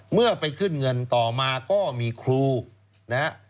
เมื่อไปขึ้นเงินต่อมาก็มีครูนะฮะ